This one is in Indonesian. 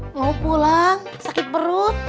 mau pulang sakit perut